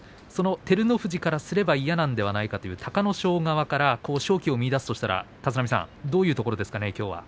照ノ富士からすれば嫌なんではないかという隆の勝側から勝機を見いだすとしたらどういうところですか。